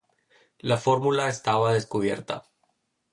La fórmula estaba descubierta.